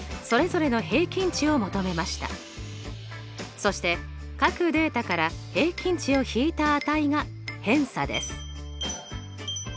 そして各データから平均値を引いた値が偏差です。